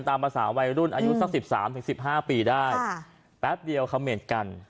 ตามภาษาวัยรุ่นอายุสักสิบสามถึงสิบห้าปีได้ค่ะแป๊บเดียวเขาเหม็นกัน